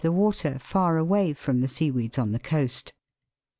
the water far away from the seaweeds on the coast.